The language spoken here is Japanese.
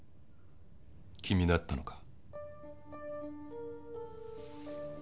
君だったのか。